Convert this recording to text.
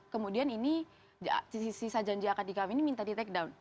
kemudian ini sisa janji akan dikawini minta di takedown